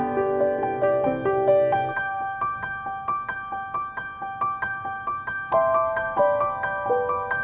โปรดติดตามตอนต่อไป